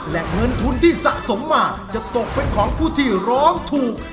และเงินทุนที่สะสมมาจะตกเป็นของผู้ที่ร้องถูก